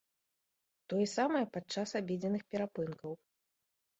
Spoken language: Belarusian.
Тое самае падчас абедзенных перапынкаў.